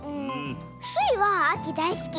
スイはあきだいすき。